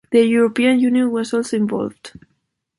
The European Union was also involved.